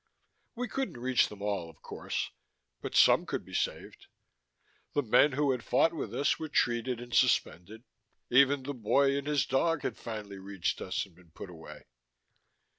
We couldn't reach them all, of course, but some could be saved. The men who had fought with us were treated and suspended. Even the boy and his dog had finally reached us and been put away.